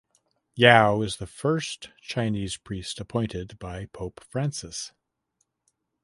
Yao is the first Chinese priest appointed by Pope Francis.